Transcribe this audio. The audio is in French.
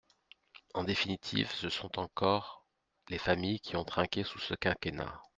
En définitive, ce sont encore les familles qui ont trinqué sous ce quinquennat.